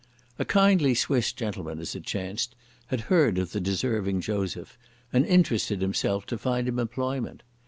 A kindly Swiss gentleman, as it chanced, had heard of the deserving Joseph and interested himself to find him employment.